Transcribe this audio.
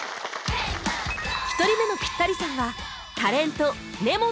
１人目のピッタリさんは